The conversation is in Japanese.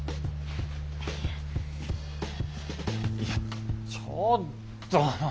いやちょっと。